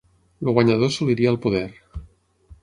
El guanyador assoliria el poder.